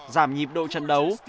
giảm nhịp độ trận đấu